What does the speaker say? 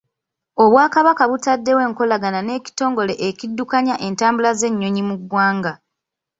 Obwakabaka butaddewo enkolagana n'ekitongole ekiddukanya entambula z'ennyonyi mu ggwanga.